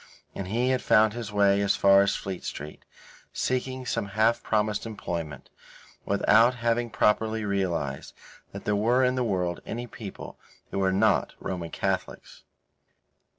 And he had found his way as far as Fleet Street, seeking some half promised employment, without having properly realized that there were in the world any people who were not Roman Catholics.